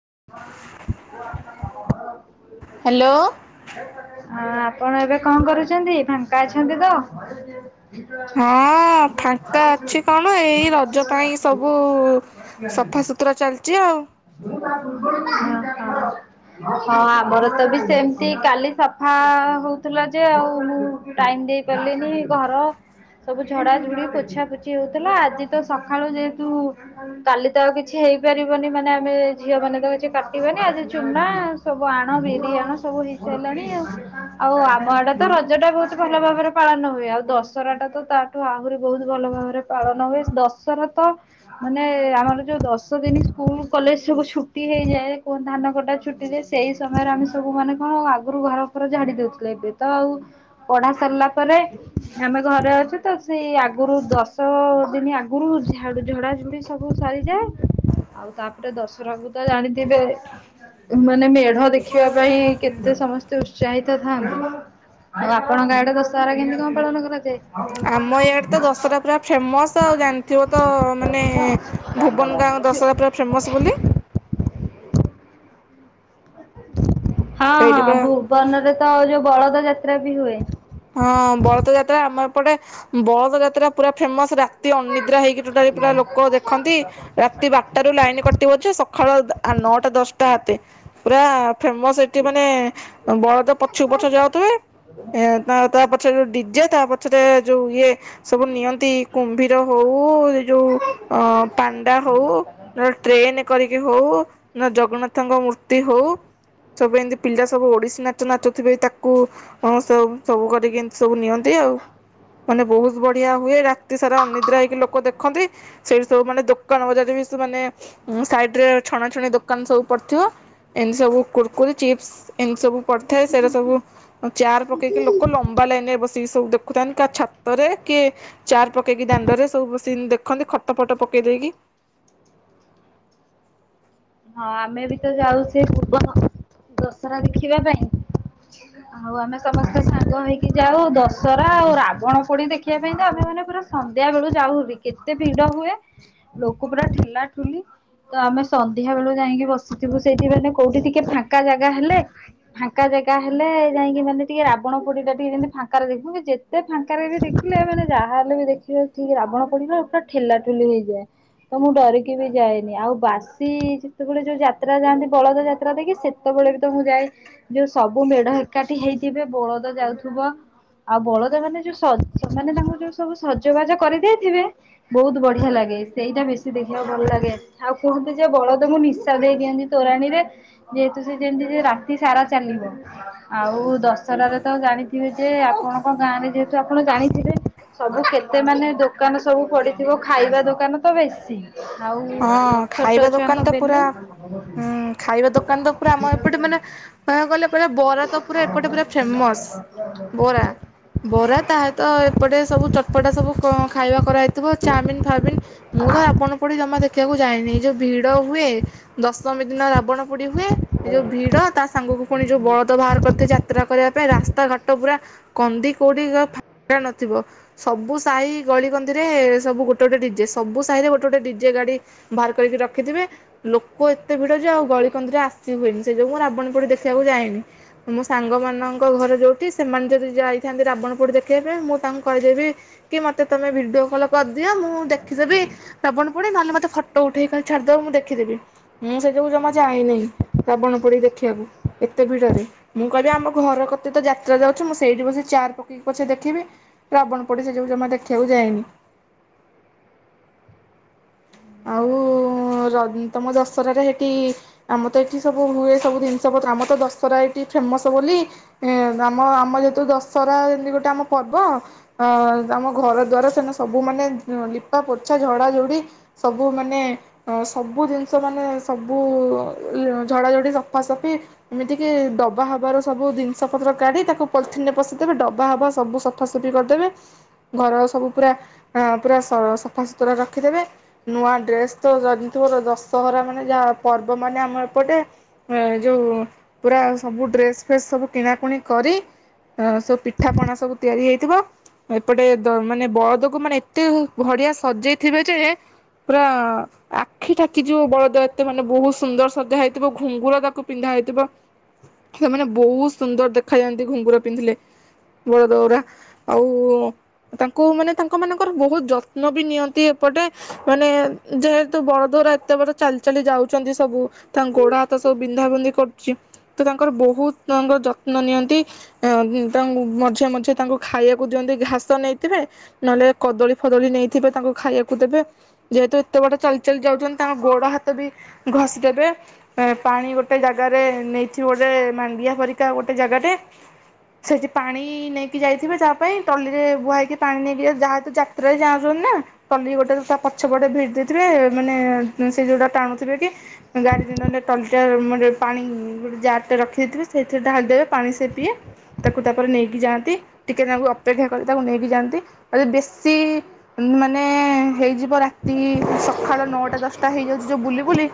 [unintelligible] Hello ହଁ ଆପଣ ଏବେ କଣ କରୁଛନ୍ତି ଫାଙ୍କା ଅଛନ୍ତି ତ ହଁ ଫାଙ୍କା ଅଛି କଣ ଏଇ ରଜ ପାଇଁ ସବୁ ସଫା ସୁତୁରା ଚାଲିଛି ଆଉ। ହଁ ଆମର ତ ବି ସେମିତି କାଲି ସଫା ହଉଥିଲା ଯେ ଆଉ ମୁଁ ଟାଇମ ଦେଇ ପାରିଲିନି ଘର ସବୁ ଝଡାଝୁଡି ପୋଛା ପୋଛି ହଉଥିଲା ଆଜି ତ ସକାଳୁ ଯେହେତୁ କାଲି ତ ଆଉ କିଛି ହେଇପାରିବନି ମାନେ ଆମେ ଝିଅ ମାନେ ତ କିଛି କାଟିବେନି ଆଜି ଚୁନା ସବୁ ଆଣ ବିରି ଆଣ ସବୁ ହେଇସାରଲାଣି ଆଉ ଆଉ ଆମଟା ତ ରଜ ଟା ବହୁତ ଭଲ ଭାବରେ ପାଳନ ହୁଏ ଆଉ ଦଶହରା ଟା ତ ତାଠୁ ଆହୁରି ବହୁତ ଭଲ ଭାବରେ ପାଳନ ହୁଏ ଦଶହରା ତ ମାନେ ଆମର ଯୋଉ ଦଶ ଦିନ ସ୍କୁଲ କଲେଜ ସବୁ ଛୁଟି ହେଇଯାଏ କଣ ଧାନ କଟା ଛୁଟି ଯାଏ ସେଇ ସମୟରେ ଆମେ ସବୁ ମାନେ କଣ ଆଗରୁ ଘର ଫର ଝାଡି ଦଉଥିଲେ ଏବେ ତ ଆଉ ପଢା ସାରିଲା ପରେ ଆମେ ଘରେ ଅଛୁ ତ ସେଇ ଆଗରୁ ଦଶ ଦିନ ଆଗରୁଝ ଝଡା ଝୁଡି ସବୁ ସାରିଯାଏ ଆଉ ତାପରେ ଦଶ ପ୍ରଭୁତା ଜାଣିଥିବେ ମାନେ ମେଢ ଦେଖିବା ପାଇଁ କେତେ ସମସ୍ତେ ଉତ୍ସାହିତ ଥାଆନ୍ତି ଆଉ ଆପଣଙ୍କ ଗାଡେ ଦଶହରା କେମତି କଣ ପାଳନ କରାଯାଏ। ଆମ ଇଆଡେ ତ ଦଶହରା ପୁରା ଫେମସ ଆଉ ଜାଣିଥିବ ତ ମାନେ ଭୁବନ ଗାଁ ଦଶହରା ପୁରା ଫେମସ ବୋଲି ହଁ ହଁ ସେଇଠି ପୁରା ଭୁବନରେ ତ ଯୋଉ ବଳଦ ଯାତ୍ରା ବି ହୁଏ। ହଁ ବଳଦ ଯାତ୍ରା ଆମର ଏପଟେ ବଳଦ ଯାତ୍ରା ପୁରା ଫେମସ ରାତି ଅନିଦ୍ରା ହେଇକି ପୁରା ଲୋକ ଦେଖନ୍ତି ରାତି ବାରଟାରୁୁ ଲାଇନ କଟିିବାରୁଛି ସକାଳ ନଅଟା ଦଶଟା ହାତେ ପୁରା ଫେମସ ଏଠି ମାନେ ବଳଦ ପଛକୁ ପଛ ଯାଉଥିବେ। ତା ପଛରେ ଯୋଉଁ ଡିଜେ ତା ପଛରେ ଯଉ ଇଏ ସବୁ ନିଅନ୍ତି କୁମ୍ଭୀର ହଉ ଏ ଯୋଉ ଅ ପାଣ୍ଡା ହଉ ନ ଟ୍ରେନ କରିକି ହଉ। ଜଗନ୍ନାଥଙ୍କ ମୂର୍ତ୍ତି ହଉ ସବୁ ଏମତି ପିଲା ସବୁ ଓଡିଶୀ ନା ନାଚଥିବେ ତାକୁ କୁ ସବୁ ସବୁ କରିକି ଏମିତି ସବୁ ନିଅନ୍ତି ଆଉ ମାନେ ବହୁତ ବଢିଆ ହୁଏ ରାତି ସାରା ଅନିଦ୍ରା ହେଇକି ଲୋକ ଦେଖନ୍ତି। ସେଇଠି ସବୁ ମାନେ ଦୋକାନ ବଜାର ବି ସବୁ ମାନେ ସାଇଟ ରେ ଛଣାଛଣି ଦୋକାନ ସବୁ ପଡ଼ିଥିବ ଏମିତି ସବୁ କୁୁରକୁରି ଚିପ୍ସ ଏମିତି ସବୁ ପଡିଥାଏ ସେଇଟା ସବୁ ଚାର ପକେଇକି ଲୋକ ଲାଇନ ରେ ବସିକି ସବୁ ଦେଖୁଥାନ୍ତି କ ଛାତରେ କି ଚାର ପକେଇକି ଦାଣ୍ଡରେ ସବୁ ବ ଦେଖନ୍ତି ଖଟ ଫଟ ପକେଇ ଦେଇକି ହଁ ଆମେ ବି ତ ଯାଉ ସେ ପୂବ ଦଶହରା ଦେଖିବା ପାଇଁ ଆଉ ଆମେ ସମସ୍ତେ ସାଙ୍ଗ ହେଇକି ଯାଉ ଦଶହରା ଆଉ ରାବଣ ପୋଣି ଦେଖିବା ପାଇଁ ତ ଆମେ ମାନେ ପୁରା ସନ୍ଧ୍ୟା ବେଳୁ ଯାଉନି କେତେ ଭିଡ ହୁଏ ଲୋକ ପୁରା ଠେଲାଠୁଲି ତ ଆମେ ଅଧିା ବେଳୁ ଯାଇକି ବସିଥିବୁ ସେଇଠି ମାନେ କୋଉଠି ଟିକେ ଫାଙ୍କା ଜାଗା ହେଲେ ଫାଙ୍କା ଜାଗା ହେଲେ ଯାଇକି ମାନେ ଟିକେ ରାବଣ ପୋଡିଲା ଟିକେ ଯେମିତି ଫାଙ୍କାରେ ଦେଖିବୁ ଯେତେ ଫାଙ୍କାରେ ବି ଦେଖିଲେ ମାନେ ଯାହାହେଲେ ବି ଦେଖିବେିକ ରାବଣ ପୋଡିଲ ପୁରା ଠେଲା ଠେଲି ହେଇଯାଏ ତ ମୁଁ ଡରିକି ବି ଯାଏନି ଆଉ ବାସ ଯେତେବେଳେ ଯୋଉ ଯାତ୍ରା ଯାଆନ୍ତି ବଳଦ ଯାତ୍ରା ଦେକି ସେତେବେଳେ ବି ତାମକୁ ଯାଏ ଯୋଉ ସବୁ ମେଢ ଏକାଠି ହେଇଥିବେ ବଳଦ ଯାଉଥିବ ଆଉ ବଳଦ ମାନେ ଯୋଉ ସଜ ମାନେ ତାଙ୍କୁ ଯୋଉ ସବୁ ସଜବାଜ କରିଦେଇଥିବେ ବହୁତ ବଢିଆ ଲାଗେ ସେଇଟା ବେଶୀ ଦେଖିବାକୁ ଭଲ ଲାଗେ ଆଉ କୁହୁ ଯେ ବଳଦେବ ନିଶା ଦେଇ ଦିଅନ୍ତି ତୋରାଣୀରେ ଯେହେତୁ ସେ ଯେମତି ଯେ ରାତି ସାରା ଚାଲିବ ଆଉ ଦଶହରାରେ ତ ଜାଣିଥିବେ ଯେ ଆପଣଙ୍କ ଗାଁ ରେ ଯେହେତୁ ଆପଣ ଜାଣିଥିବେ ସବୁ କେତେ ମାନେ ଦୋକାନ ସବୁ ପଡିଥିବ ଖାଇବା ଦୋକାନ ତ ବେଶୀ ଆଉ ହଁ ଛୋଟ ଖାଇବା ଦୋକାନ ଛୁଆଙ୍କ ତ ବେଲୁନ ପୁରାଁ ଖାଇବା ଦୋକାନ ତ ପୁରା ଆମ ଏପଟେ ମାନେ କିବାକୁ ଗଲେ ପୁର ବରା ତ ପୁରା ଏପଟେ ପୁର ଫେମସ ବରା ବରା ତା ସତ ଏପଟେ ସବୁ ଚଟପଟା ସବୁ ଖାଇବା କରାହେଇଥିବ ଚାଉମିନ ଫମିିନ ମୁଁ ତ ଆବଣ ପଡି ଜମା ଦେଖିବାକୁ ଯାଇନି ଯୋଉ ଭିଡ ହୁଏ ଦଶମ ଦିନ ବଣ ପୋଡି ହୁଏ ଏ ଯୋଉ ଭିଡ ତା ସାଙ୍ଗକୁ ପୁଣି ଯୋଉ ବଳଦ ବାହାର କରିଥା ଯାତ୍ରା କରିବା ପାଇଁ ରାସ୍ତାଘାଟ ପୁରା କନ୍ଦି କେଉଁଠି ଫାା ନଥିବ ସବୁ ସାହି ଗଳିକନ୍ଦିରେ ସବୁ ଗୋଟେ ଗୋଟେ ଡିଜେ ସବୁ ସାହିରେ ଗୋଟେ ଗୋଟେ ଡିଜେ ଗାଡ଼ି ବାହାର କରିକି ରଖିଥିବେ ଲୋକ ଏତେିଟରେ ଆଉ ଗଳନ୍ଦରେ ଆସ କି ହୁଏନି ସେ ଯଉୁ ମୁଁ ରାବଣ ପୋଡି ଦେଖିବାକୁ ଯାଇନି ମୋ ସାଙ୍ଗ ମାନଙ୍କ ଘରେ ଯୋଉଠି ସେମାନେ ଯଦି ଯାଇଥାନ୍ତି ରାବଣପୋଡି ଦେଖିବା ପାଇଁ ମୁଁ ତାଙ୍କୁ କହିଦେବି କି ମତେ ତମେ ଭିଡିଓ କଲ କରିଦିଅ ମୁଁ ଦେଖିଦେବି ରାବଣ ପୋଡି ନହେଲେ ମତେ ଫଟୋ ଉଠେଇ ଛାଡିଦବ ମୁଁ ଦେଖିଦେବି ମୁଁ ସେ ଯବୁ ଜମା ଯାଏନହିଁ ରାବଣ ପୋଡିି ଦେଖିବାକୁ ଏତେ ଭିଡରେ ମୁଁ କହିବି ଆମ ଘର କେତେ ତ ଯାତ୍ରା ଯାଉଛି ମୁଁ ସେଇଠି ବସି ଚାର ପକେଇକି ପଛେ ଦେଖିବି ରାବଣ ପୋଡି ସେ ଯବୁ ଜମା ଦେଖିବାକୁ ଯାଏନି। ଆଉ ର ତମ ଦଶରାରେ ହେଟି ଆମର ତ ଏଠି ସବୁ ହୁଏ ସବୁ ଜିନିଷ ପତ୍ର ଆମର ତ ଦଶରା ଏଠି ଫେମସ ବୋଲି ଏ ଆମ ଆମ ଯେହେତୁ ଦଶରା ଯେମିତି ଗୋଟେ ଆମ ପର୍ବ ଅ ଆମ ଘର ଦ୍ଵାରା ସେମାନେ ସବୁ ମାନେ ଲିପା ପୋଛା ଝଡା ଝଡି। ସବୁ ମାନେ ସବୁ ଜିନିଷ ମାନେ ସବୁ ଝଡ଼ାଝଡ଼ି ସଫାସଫି ଏମିତିକି ଡବା ହବାର ସବୁ ଜିନିଷ ପତ୍ର କାଢ଼ି ତାକୁ ପଲିଥିନରେ ପଶିଦେବେ ଡବା ହବା ସବୁ ସଫାସଫି କରିଦେବେ ଘର ସବୁ ପୁରା ପୁରା ସଫାସୁତୁରା ରଖିଦେବେ। ନୂଆ ଡ୍ରେସ ତ ଜିଦିଥିବ ଦଶହରା ମାନେ ଯାହା ପର୍ବ ମାନେ ଆମ ଏପଟେ ଏ ଯୋଉ ପୁରା ସବୁ ଡ୍ରେସ ଫ୍ରେସ ସବୁ କିଣାକୁଣି କରି ସବୁ ପିଠା ପଣା ସବୁ ତିଆରି ହେଇଥିବ ଏପଟେ ମାନେ ବଳଦକୁ ମାନେ ଏତେ ଭଡିଆ ସଜେଇଥିବେ ଯେ। ପୁରା ଆଖି ଠାକିଯିବ ବଳଦ ଏତେ ମାନେ ବହୁତ ସୁନ୍ଦର ସଜା ହେଇଥିବ ଘୁଙ୍ଗୁର ତାକୁ ପିନ୍ଧା ହେଇଥିବ ସେମାନେ ବହୁତ ସୁନ୍ଦର ଦେଖାଯାଆନ୍ତି ଘୁଙ୍ଗୁର ପିନ୍ଧିଲେ ବଳଦ ଗୁରା ଆଉ ତାଙ୍କୁ ମାନେ ତାଙ୍କ ମାନଙ୍କର ବହୁତ ଯ ତ୍ନ ବି ନିଅନ୍ତି ଏପଟେ। ମାନେ ଯେହେତୁ ବଳଦ ଗୁରା ଏତେ ବଡ ଚାଲି ଚାଲି ଯାଉ ଛନ୍ତି ସବୁ ତାଙ୍କ ଗୋଡ ହାତ ସବୁ ବିନ୍ଧା ବିନ୍ଧି କ ତ ତାଙ୍କର ବହୁତ ତାଙ୍କର ଯତ୍ନ ନିଅନ୍ତି ତାଙ୍କୁ ମଝିରେ ମଝିରେ ତାଙ୍କୁ ଖାଇବାକୁ ଦିଅନ୍ତି ଘାସ ନେଇଥିବେ ନହେଲେ କଦଳୀ ଫଦଳୀ ନେଇଥିବେ ତାଙ୍କୁ ଖାଇବାକୁ ଦେବେ। ଯେହେତୁ ଏତେ ବାଟ ଚାଲି ଚାଲି ଯାଉଛନ୍ତି ତାଙ୍କ ଗୋଡ ହାତ ବି ଘଷି ଦେବେ ପାଣି ଗୋଟେ ଜାଗାରେ ନେଇଥିବ ଗୋଟେ ମାଣ୍ଡିଆ ପରିକା ଗୋଟେ ଜାଗାରେ ସେଇଠି ପାଣି ନେଇକି ଯାଇଥିବେ ତା ପାଇଁ ଟଲିରେ ବୁହାଇକି ପାଣି ନେଇକି ଯାହତୁ ଯାତ୍ରାରେ ଯାଉଛନ୍ତି ନା ଟଲି ଗୋଟେ ତା। ଗୋଟେ ପେଟେ ଭିଡି ଦେଇଥିବେ ମାନେ ସେ ଯୋଉଟା ଟାଣୁଥିବେ କି ଗାଡି ଜାର ଟଲି ଟା ପାଣି ଗୋଟେ ଯାର ଟେ ରଖି ଦେଇଥିବେ ସେଇଥିରେ ଢାଳି ଦବେ ପାଣି ସେ ପିଏ ତାକୁ ତାପରେ ନେଇ। ଯାଆନ୍ତି ଟିକେ ତାଙ୍କୁ ଅପେକ୍ଷା କରି ତାକୁ ନେଇକି ଯାଆନ୍ତି ବେଶୀ ମାନେ ହେଇଯିବ ରାତି। ତି ସକାଳ ନଅଟା ଦଶଟା ହେଇଯାଉଛି ଯୋଉ ବୁଲି ବୁଲି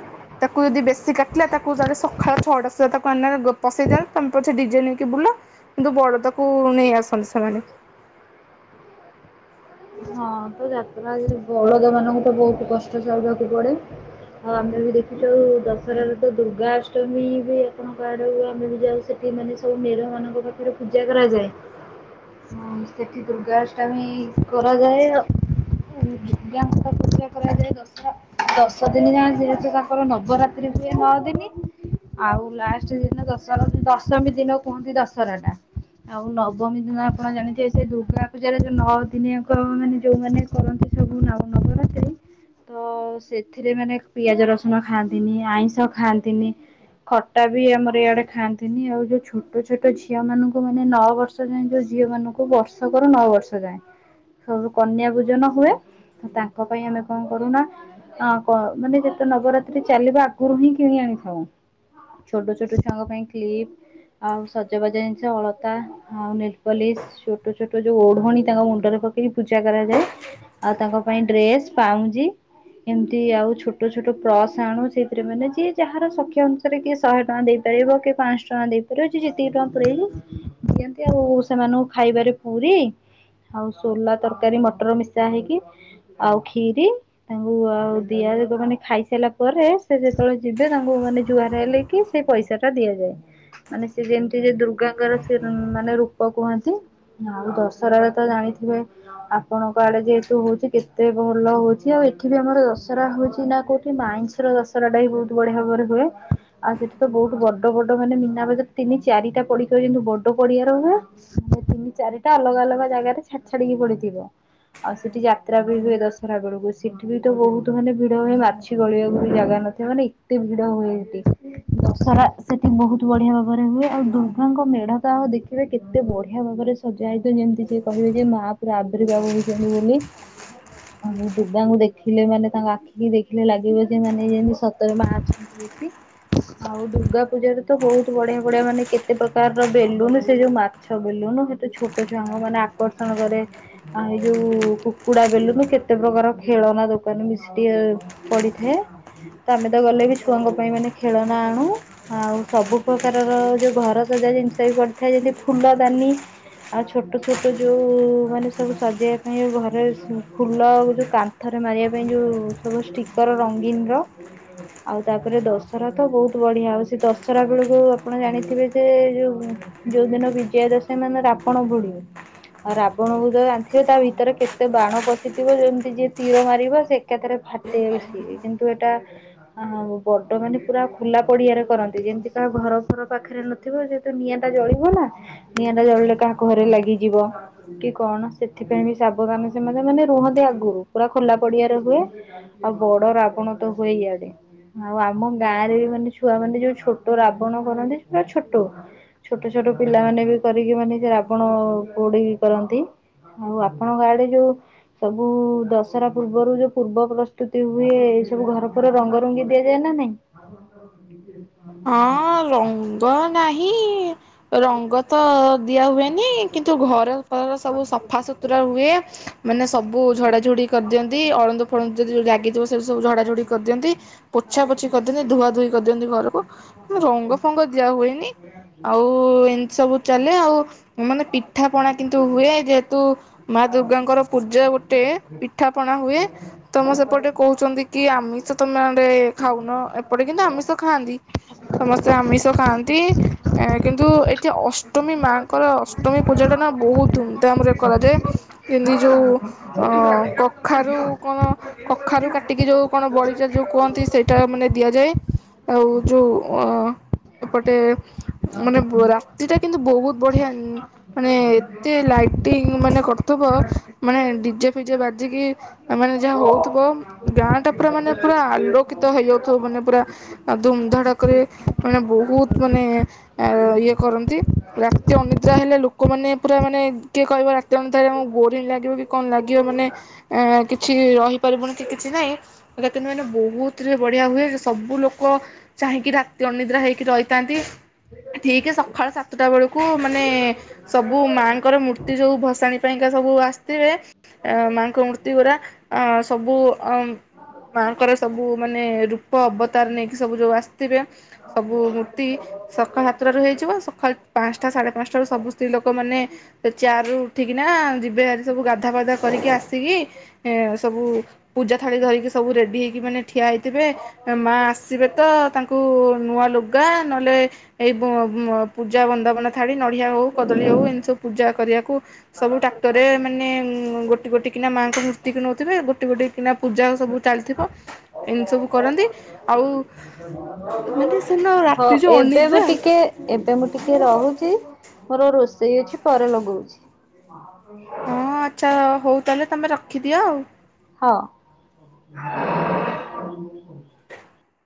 ତାକୁ ଯଦି ବେଶୀ କାଟିଲା ତାକୁ ତାଲେ ସକାଳ ଛଅଟା ସୁଦ୍ଧା ତାକୁ ଆଣିନା ଗ ପସେଇ ଦିଅନ୍ତ ତମେ ପଛେ ଡିଜେ ନେଇକି ବୁଲ କିନ୍ତୁ ବଡ ତାକୁ ନେଇ ଆସନ୍ତି ସେମାନେ। ହଁ ତ ଯାତ୍ରା ରେ ବଳଦ ମାନଙ୍କୁ ତ ବହୁତ କଷ୍ଟ ସହିବାକୁ ପଡେ ଆଉ ଆମେ ବି ଦେଖିଥାଉ ଦଶରାରେ ତ ଦୁର୍ଗାଷ୍ଟମୀ ବି ଆପଣଙ୍କ ଆଡେ ଆମେ ବି ଯାଉ ସେଠି ମାନେ ସବୁ ମେଡ ମାନଙ୍କ ପାଖରେ ପୂଜା କରାଯାଏ ସେଠି ଦୁର୍ଗାଷ୍ଟମୀ। କରାଯାଏ ଦୁର୍ଗାଙ୍କୁ ତ ପୂଜା କରାଯାଏ ଦଶହରା ଦଶ ଦିନ ଯାକ ଯେହେତୁ ତାଙ୍କର ନବରାତ୍ରି ହୁଏ ନଅ ଦିନ ଆଉ ଲାଷ୍ଟ ଦିନ ଦଶହରା ଦଶମୀ ଦିନ କୁହନ୍ତି ଦଶହରା ଟା ଆଉ ନବମୀ ଦିନ ଆପଣ ଜାଣିଥିବେ ସେ ଦୁର୍ଗା ପୂଜାରେ ଯଉ ନଅ ଦିନିଆ। କ ମାନେ ଯୋଉମାନେ କରନ୍ତି ସବୁ ନବରାତ୍ରି ତ ସେଥିରେ ମାନେ ପିଆଜ ରସୁଣ ଖାଆନ୍ତିନି ଆଇଁଷ ଖାଆନ୍ତିନି ଖଟା ବି ଆମର ଇଆଡେ ଖାଆନ୍ତିନି ଆଉ ଯୋଉ ଛୋଟ ଛୋଟ ଝିଅ ମାନଙ୍କୁ ମାନେ ନଅ ବର୍ଷ ଯାଏ ଯୋଉ ଝିଅ ମାନଙ୍କୁ ବର୍ଷକରୁ ନଅ ବର୍ଷ ଯାଏ। ସୁବୁ କନ୍ୟା ପୂଜନ ହୁଏ ତାଙ୍କ ପାଇଁ ଆମେ କଣ କରୁନା ମାନେ ଯେବେ ନବରାତ୍ରି ଚାଲିବା ଆଗରୁ ହିଁ କିଣି ଆଣିଥାଉ ଛୋଟ ଛୋଟ ଛୁଆଙ୍କ ପାଇଁ କ୍ଲିପ ଆଉ ସଜବାଜା ଜିନିଷ ଅଳତା ଆଉ ନେଲପଲିସ ଛୋଟ ଛୋଟ ଯୋଉ ଓଢଣୀ ତାଙ୍କ ମୁଣ୍ଡରେ ପକେଇି। ପୂଜା କରାଯାଏ ଆଉ ତାଙ୍କ ପାଇଁ ଡ୍ରେସ ପାଉଁଜି ଏମିତି ଆଉ ଛୋଟ ଛୋଟ ପ୍ରସ ଆଣୁ ସେଇଥିରେ ମାନେ ଯିଏ ଯାହାର ସଖ୍ୟ ଅନୁସାରେ କି ଶହେ ଟଙ୍କା ଦେଇପାରିବ କି ପାଆଁଶ ଟଙ୍କା ଦେଇପାରିବ ଯେତିକି ଟଙ୍କା ପୁରାଇ ଦିଅନ୍ତି ଆଉ ସେମାନଙ୍କୁ ଖାଇବାରେ ପୁରୀ ଆଉ ସୋଲା ତରକାରୀ ମଟର ମିଶା ହେଇକି ଆଉ ଖିରି ତାଙ୍କୁ ଆଉ ଦିଆ ମାନେ ଖାଇସାରିଲା ପରେ। ସେ ଯେତେବେଳେ ଯିବେ ତାଙ୍କୁ ମାନେ ଜୁଆର ହେଲେ କି ସେଇ ପଇସା ଟା ଦିଆଯାଏ ମାନେ ସେ ଯେମିତି ଯେ ଦୁର୍ଗାଙ୍କର ସେ ମାନେ ରୂପ କୁହନ୍ତି ଆଉ ଦଶହରାରେ ତ ଜାଣିଥିବେ। ଆପଣଙ୍କ ଆଡେ ଯେହେତୁ ହଉଛି କେତେ ଭଲ ହଉଛି ଆଉ ଏଠି ବି ଆମର ଦଶରା ହଉଛି ନା କୋଉଠି ମାଇଁଶ ର ଦଶରା ଟା ହି ବହୁତ ବଢିଆ ଭାବରେ ହୁଏ ଆଉ ସେଠି ତ ବହୁତ ବଡ ବଡ ମାନେ ମିନା ବଜର ତିନି ଚାରିଟା ପଡି କି ଯେମିତି ବଡ ପଡିଆର ହୁଏ ତିନି ଚାରିଟା ଅଲଗା ଅଲଗ ଜାଗାରେ ଛାଡ। ଛାିଡି ଛାଡ଼ିକି ପଡିଥିବ ଆଉ ସେଠି ଯାତ୍ରା ବି ହୁଏ ଦଶହରା ବେଳକୁ ସେଠି ବି ତ ବହୁତ ମାନେ ଭିଡ ହୁଏ ମାଛି ଗଳିବାକୁ ବି ଜାଗା ନିବ ମାନେ ଏତେ ଭିଡ ହୁଏ ସେଠି ଦଶହରା ସେଠି ବହୁତ ବଢିଆ ଭାବରେ ହୁଏ ଆଉ ଦୁର୍ଗାଙ୍କ ମେଢା ତ ଆଉ ଦେଖିବେ କେତେ ବଢିଆ ଭାବରେ ସଜା ହେଇଥିବ ଯେମିତି କହିବେ ଯେ ମା ପୁର ଅବ୍ରିଭାବ ହେଇଛନ୍ତି ବୋଲି ଆଉ ଦୁର୍ଗାଙ୍କୁ ଦେଖିଲେ ମାନେ ତାଙ୍କ ଆଖି ଦେଖିଲେ ଲାଗିବ ଯେ ମାନେ ଯେମତି ସତରେ ମା ଅଛନ୍ତି ଏଠି ଆଉ ଦୁର୍ଗା ପୂଜାରେ ତ ବହୁତ ବଢିଆ ବଢିଆ ମାନେ କେତେ ପ୍ରକାରର ବେଲୁନ ସେ ଯୋଉ ମାଛ ବେଲୁନ ସେତ ଛୋଟ ଛୁଆଙ୍କ ମାନେ ଆକର୍ଷଣ। କରେ ଆ ଏଇ ଯୋଉ କୁକୁଡା ବେଲୁନୁ କେତେ ପ୍ରକାର ଖେଳନା ଦୋକାନ ବି ସେଠି ପଡିଥାଏ ତ ଆମେ ତ ଗଲେ ବି ଛୁଆଙ୍କ ପାଇଁ ମାନେ ଖେଳନା ଆଣୁ ଆଉ ସବୁ ପ୍ରକାରର ଯୋଉ ଘର ସଜା ଜିନିଷ ବି ପଡିଥାଏ ଯେମିତି ଫୁଲ ଦାନି ଆଉ ଛୋଟ ଛୋଟ। ଯୋଉ ମାନେ ସବୁ ସଜେଇବା ପାଇଁ ଘରେ ଫୁଲ ଯୋଉ କାନ୍ଥରେ ମାରିବା ପାଇଁ ଯୋଉ ସବୁ ଷ୍ଟିକର ରଙ୍ଗୀନ ର ଆଉ ତାପରେ ଦଶହରା ତ ବହୁତ ବଢିଆ ଆଉ ସେ ଦଶରା ବେଳକୁ ଆପଣ ଜାଣିଥିବେ ଯେ ଯୋଉ ଯୋଉ ଦିନ ବିଜୟା ଦଶମି ମାନେ ରାବଣ ପୋଡ଼ି। ଆଉ ରାବଣକୁ ତ ଜାଣିଥିବେ ତା ଭିତରେ କେତେ ବାଣ ପଶିଥିବ ଯେମିତି ଯିଏ ତୀର ମାରିବ ସେ ଏକା ଥରେ ଫାଟେ ବେଶ କିନ୍ତୁ ଏଇଟା। ଆଉ ବଡ ମାନେ ପୁରା ଖୋଲା ପଡିଆରେ କରନ୍ତି ଯେମିତି କାହା ଘର ଫର ପାଖରେ ନଥିବ ଯେହେତୁ ନିଆଁ ଟା ଜଳିବ ନା ନିଆଁ ଟା ଜଳିଲେ କାହା ଘରେ ଲାଗିଯିବ। କି କଣ ସେଥିପାଇଁ ବି ସାବଧାନ ସେମାନେ ମାନେ ରୁହନ୍ତି ଆଗରୁ ପୁରା ଖୋଲା ପଡିଆରେ ହୁଏ ଆଉ ବଡ ରାବଣ ତ ହୁଏ ଇଆଡେ ଆଉ ଆମ ଗାଁ ରେ ବି ମାନେ ଛୁଆ ମାନେ ଯୋଉ ଛୋଟ ରାବଣ କରନ୍ତି ପୁରା ଛୋଟ ଛୋଟ ଛୋଟ ପିଲାମାନୋନେ ବି କରିକି ମାନେ ସେ ରାବଣ ପୋଡି। କରନ୍ତି ଆଉ ଆପଣଙ୍କ ଆଡେ ଯୋଉ ସବୁ ଦଶରା ପୂର୍ବରୁ ଯୋଉ ପୂର୍ବ ପ୍ରସ୍ତୁତି ହୁଏ ଏ ସବୁ ଘର ଫର ରଙ୍ଗ ରୁଙ୍ଗୀ ଦିଆଯାଏ ନା ନାଇଁ। ହଁ ରଙ୍ଗ ନାହିଁ। କି। ରଙ୍ଗ ତ ଦିଆ ହୁଏନି କିନ୍ତୁ ଘର ଫର ସବୁ ସଫା ସୁୁତୁରା ହୁଏ ମାନେ ସବୁ ଝଡାଝଡି କରିଦିଅନ୍ତି ଅଳନ୍ଦୁ ଫଳନ୍ଦୁ ଯଦି ଲାଗିଥିବ ସେୁ ସବୁ ଝଡାଝଡି କରିଦିଅନ୍ତି ପୋଛା ପୋଛି କରିଦିଅନ୍ତି ଧୁଆ ଧୁୋଇ କରିଦିଅନ୍ତି ଘରକୁ। ରଙ୍ଗ ଫଙ୍ଗ ଦିଆ ହୁଏନି ଆଉ। ସବୁ ଚାଲେ ଆଉ ମାନେ ପିଠା ପଣା କିନ୍ତୁ ହୁଏ ଯେହେତୁ ମା ଦୁର୍ଗାଙ୍କର ପୂଜା ଗୋଟେ ପିଠା ପଣା। ହୁଏ ତମ ସେପଟେ କହୁଛନ୍ତି କି ଆମିଷ ତମେ ଆଡେ ଖାଉନ ଏପଟେ କିନ୍ତୁ ଆମିଷ ଖାଆନ୍ତି। ସମସ୍ତେ ଆମିଷ ଖାଆନ୍ତି କିନ୍ତୁ ଏଠି ଅଷ୍ଟମୀ ମାଙ୍କର ଅଷ୍ଟମୀ ପୂଜାଟା ନା ବହୁତ ଧୁମଧାମ ରେ କରାଯାଏ ଯେମିତି ଯୋଉ କଖାରୁ କଣ କଖାରୁ କାଟିକି ଯୋଉ କଣ ବଳିଚା ଯୋଉ କୁହନ୍ତି ସେଇଟା ମାନେ ଦିଆଯାଏ ଆଉ। ଯେଉ ଅ। ଏପଟେ ମାନେ ରାତି ଟା କିନ୍ତୁ ବହୁତ ବଢିଆ ମାନେ ଏତେ ଲାଇଟିଂ ମାନେ କରଥିବ ମାନେ ଡିଜେ। ଫିଯେ ବାଜିକି। ମାନେ ଯାହା ହଉଥିବ ଗାଁ ଟା ପୁରା ମାନେ ପୁରା ଆଲୋକିତ ହେଇଯାଉଥିବ ମାନେ ପୁରା ଧଡ଼କରେ ମାନେ ବହୁତ ମାନେ ଇଏ କରନ୍ତି ରାତି ଅନିଦ୍ରା ହେଲେ ଲୋକମାନୋନେ ପୁରା ମାନେ କିଏ କହିବ ରାତି ଅନଦ୍ରା ହେଲେ ଆକୁ ବୋରିଂ ଲାଗିବ କି କଣ ଲାଗିବ ମାନେ କିଛି ରହିପାରିବୁନି କି କିଛି ନହିଁ କିନ୍ତୁ ମାନେ ବହୁତ ବଢିଆ ହୁଏ କି ସବୁ ଲୋକ ଚାହିଁକି ରାତି ଅନିଦ୍ରା ହେଇକି ରହିଥାନ୍ତି ଠିକ ସକାଳ ସାତଟା ବେଳକୁ ମାନେ ସବୁ ମାଙ୍କର ମୂର୍ତ୍ତି ଯୋଉ ଭସାଣି ପାଇଁକା ସବୁ ଆସିଥିବେ ମାଙ୍କ ମୂର୍ତ୍ତି ଗଡା ଅ ସବୁ ଅ ମାଙ୍କର ସବୁ ମାନେ ରୂପ ଅବତାର ନେଇକି ୁ ଆେ ସବୁ ମ ସ ହେଯ ସ ପାଞ୍ଚଟାଢ଼େ ପାଞ୍ଚାରୁ ସୁ ସ୍ତ ଲୋକ ମ ଚୁ ଉଠିକିନା ଯିବ ସବୁ ଗାଧା ପାଧା କରିକି ଆସି ସବୁ ପୂଜା ଥାଳି ଧିକି ସବୁ ରେ ହେକି ମାନେ ଠିଆ ହେଥିବେ ମା ଆସେ ତ ତାଙ୍କୁ ନୂଆ ଲୁଗା ନହେଲେ ଏଇ ପୂଜା ବନ୍ଦାବନ ଥାାଡ଼ି ନଡ଼ିଆ ହେଉ କଦଳୀ ହଉ ଏନି ସବୁ ପୂଜା କରିବାକୁ ସବୁ ଟ୍ରାକ୍ଟରରେ ମାନେ ଗୋଟିେ ଗୋଟ କିନା ମାଆଙ୍କ ମୂର୍ତ୍ତିକୁ ନେଉଥିବେ ଗୋଟେ ଗୋଟ କିନା ପୂଜା ସବୁ ଚାଲିଥିବ ଏମିତି ସବୁ କରନ୍ତି ଆଉ ମାନେ ସେଦିନ ହଁ ରାତି ଯେଉଁ ଏବେ ମୁଁ ଅନିଦ୍ରା ଟିକେ ଏବେ ମୁଁ ଟିକେ ରହୁଛି। ମୋର ରୋଷେଇ ଅଛି ପରେ ଲଗଉଛି। ହଁ ଆଚ୍ଛା ହଉ ତାହେଲେ ତମେ ରଖ ରଖିଦିଅ ଆଉ। ହଁ।